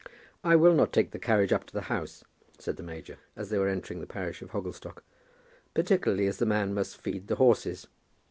"I will not take the carriage up to the house," said the major, as they were entering the parish of Hogglestock; "particularly as the man must feed the horses."